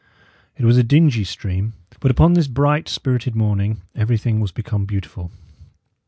It was a dingy stream; but upon this bright, spirited morning everything was become beautiful.